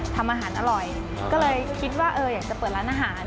ทำอาหารอร่อยก็เลยคิดว่าเอออยากจะเปิดร้านอาหาร